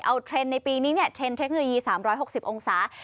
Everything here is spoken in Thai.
เอาเทรนด์ในปีนี้เทรนดเทคโนโลยี๓๖๐องศา